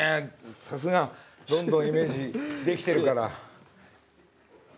さすがどんどんイメージできてるから。